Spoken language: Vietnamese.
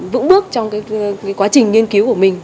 vững bước trong quá trình nghiên cứu của mình